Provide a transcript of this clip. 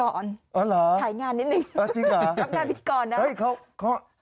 อ๋อเหรอจริงหรอรับงานพิธีกรนะ